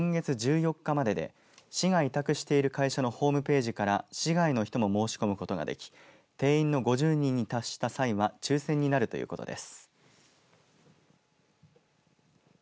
募集期間は今月１４日までで市が委託している会社のホームページから市外の人も申し込むことができ定員の５０人に達した際は抽選になるということです。